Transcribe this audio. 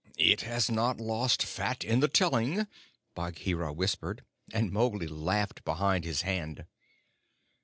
"It has not lost fat in the telling," Bagheera whispered, and Mowgli laughed behind his hand.